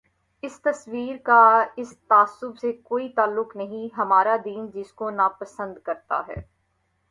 اس تصور کا اس تعصب سے کوئی تعلق نہیں، ہمارا دین جس کو ناپسند کر تا ہے۔